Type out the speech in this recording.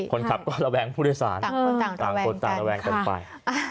คนขับก็ระแวงผู้โดยสารต่างคนต่างระแวงกันไป